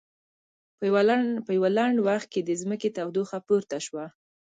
په یوه لنډ وخت کې د ځمکې تودوخه پورته شوه.